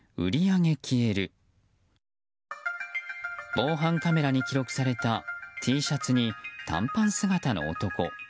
防犯カメラに記録されたＴシャツに短パン姿の男。